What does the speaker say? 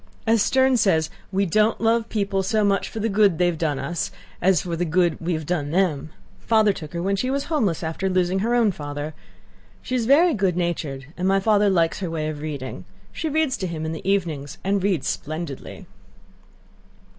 As Sterne says: 'We don't love people so much for the good they have done us, as for the good we have done them.' Father took her when she was homeless after losing her own father. She is very good natured, and my father likes her way of reading. She reads to him in the evenings and reads splendidly."